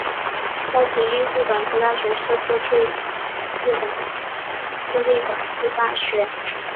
高崎艺术短期大学是过去一所位于日本群马县多野郡吉井町的私立短期大学。